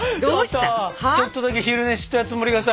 ちょっとだけ昼寝したつもりがさ